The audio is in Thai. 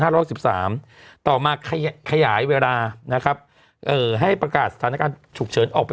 ร้อยสิบสามต่อมาขยายขยายเวลานะครับเอ่อให้ประกาศสถานการณ์ฉุกเฉินออกไป